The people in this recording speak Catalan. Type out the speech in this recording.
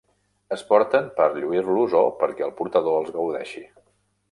Es porten per lluir-los o perquè el portador els gaudeixi.